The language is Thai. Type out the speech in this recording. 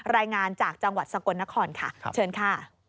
รายงานจากจังหวัดสกลนครค่ะเชิญค่ะ